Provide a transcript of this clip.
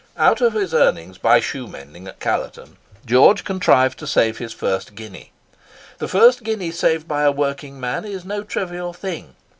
Out of his earnings by shoe mending at Callerton, George contrived to save his first guinea. The first guinea saved by a working man is no trivial thing.